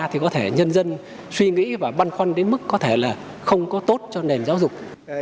thì có thể nhân dân suy nghĩ và băn khoăn đến mức có thể là không có tốt cho nền giáo dục